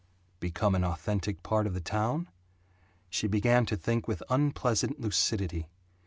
Become an authentic part of the town? She began to think with unpleasant lucidity.